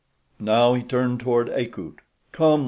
Now he turned toward Akut. "Come!"